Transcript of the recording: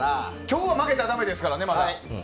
今日、曲げたらだめですからねまだ。